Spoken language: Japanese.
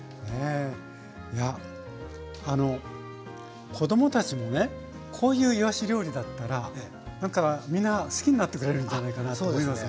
いやあの子どもたちもねこういういわし料理だったら何かみんな好きになってくれるんじゃないかなって思いますね